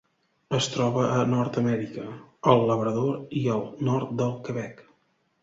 Es troba a Nord-amèrica: el Labrador i el nord del Quebec.